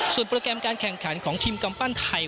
โปรแกรมการแข่งขันของทีมกำปั้นไทย